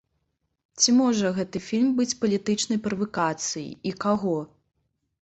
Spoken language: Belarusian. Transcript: Ці можа гэты фільм быць палітычнай правакацыяй і каго?